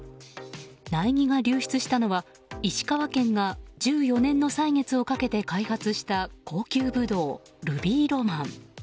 苗木が流出したのは石川県が１４年の歳月をかけて開発した高級ブドウルビーロマン。